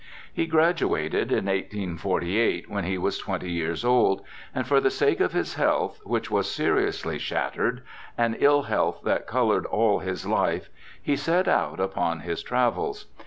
He graduated in 1848, when he was twenty years old; and for the sake of his health, which was seriously shattered, an ill health that colored all his life, he set out upon his travels.